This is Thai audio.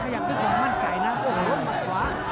ถอยอย่างนึกบ้างมั่นไก่นะโอ้โหหขวา